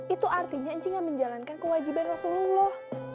itu artinya encik gak menjalankan kewajiban rasulullah